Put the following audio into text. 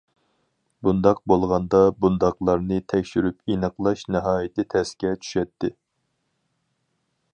بۇنداق بولغاندا بۇنداقلارنى تەكشۈرۈپ ئېنىقلاش ناھايىتى تەسكە چۈشەتتى.